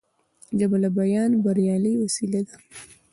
ژبه د بیان بریالۍ وسیله ده